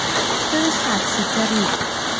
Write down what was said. ซื่อสัตย์สุจริต